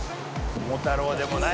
桃太郎でもない。